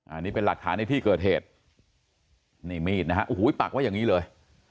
อันนี้เป็นหลักฐานในที่เกิดเหตุนี่มีดนะฮะโอ้โหปักไว้อย่างนี้เลย